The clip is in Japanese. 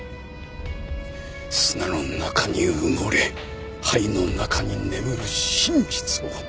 砂の中に埋もれ灰の中に眠る真実を。